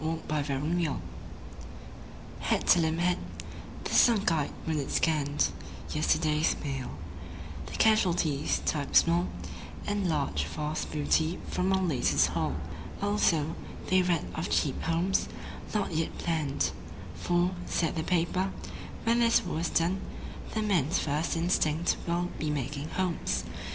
Smile, Smile, Smile Head to limp head, the sunk eyed wounded scanned Yesterday's Mail; the casualties (typed small) And (large) Vast Booty from our Latest Haul. Also, they read of Cheap Homes, not yet planned; For, said the paper, "When this war is done The men's first instinct will be making homes.